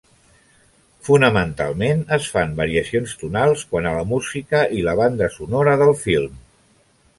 Fonamentalment, es fan variacions tonals quant a la música i la banda sonora del film.